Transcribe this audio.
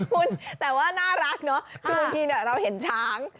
คุณแต่ว่าน่ารักเนอะแน่นี้เราเห็นช้าง